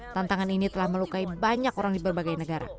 tantangan ini telah melukai banyak orang di berbagai negara